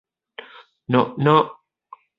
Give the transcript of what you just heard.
Knock, knock.